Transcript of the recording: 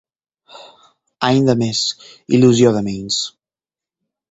Any de més, il·lusió de menys.